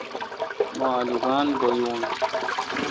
مہ الوگان بھویون